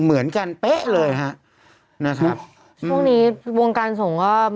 เหมือนกันป๊ะเลยฮะนะครับช่วงนี้วงการสงฆ์ก็มีเรื่อง